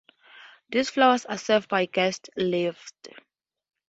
These floors are served by guest lifts.